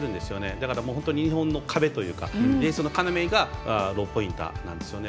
だから、日本の壁というかディフェンスの要がローポインターなんですね。